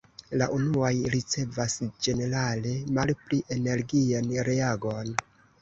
La unuaj ricevas ĝenerale malpli energian reagon.